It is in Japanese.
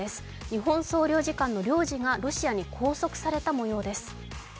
日本総領事館の領事がロシアに拘束された模様です。